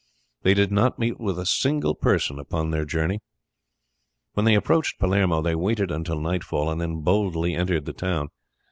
They did not meet with a single person upon their journey. When they approached Palermo they waited until nightfall, and then boldly entered the town.